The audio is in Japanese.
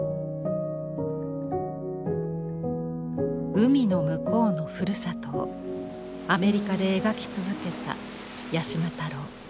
海の向こうのふるさとをアメリカで描き続けた八島太郎。